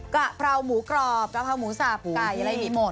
กะเพราหมูกรอบกะเพราหมูสับไก่อะไรมีหมด